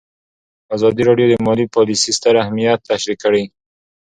ازادي راډیو د مالي پالیسي ستر اهميت تشریح کړی.